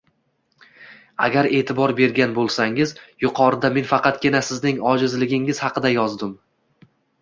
Agar e’tibor bergan bo’lsangiz yuqorida men faqatgina sizning ojizligingiz haqida yozdim